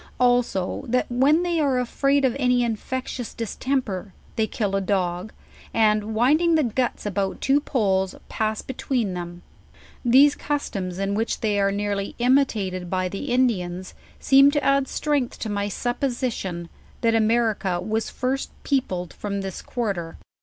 Also, that when they are afraid of any infectious distemper, they kill a dog, and winding the guts about two poles, pass between them.. These customs in which they are nearly imitated by the Indians, seem to add strength to my supposition, that America was first peo pled from this quarter.